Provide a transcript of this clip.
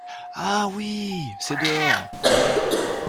Ah ! oui !… c’est dehors !